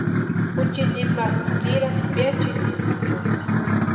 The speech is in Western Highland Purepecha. Juchiti nimakwa nirasti piachintini ichusta.